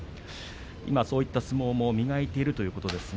そういった相撲を磨いているということです。